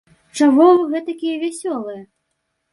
Чаго вы гэтакія вясёлыя?